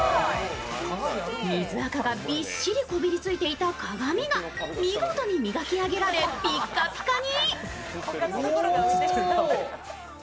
水あかがびっしりこびりついていた鏡が見事に磨き上げられピッカピカに。